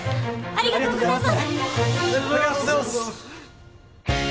ありがとうございます！